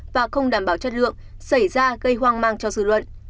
và bảo chất lượng xảy ra gây hoang mang cho dư luận